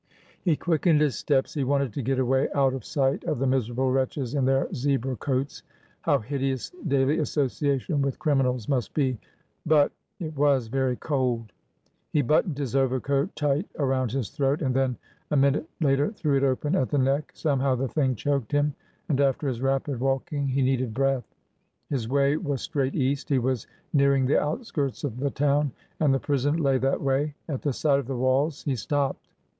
He quickened his steps. He wanted to get away— out of sight of the miserable wretches in their zebra coats. How hideous daily association with criminals must be! But — it was very cold ! He buttoned his overcoat tight around his throat, and then a minute later threw it open at the neck. Somehow, the thing choked him, and after his rapid walking he needed breath. His way was straight east. He was near ing the outskirts of the town, and the prison lay that way. At the sight of the walls he stopped.